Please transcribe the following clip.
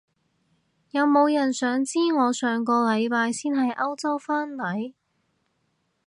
有冇人想知我上個禮拜先喺歐洲返嚟？